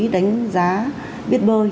đánh giá biết bơi